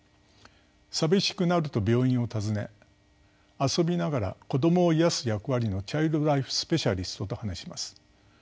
寂しくなると病院を訪ね遊びながら子供を癒やす役割のチャイルドライフスペシャリストと話します。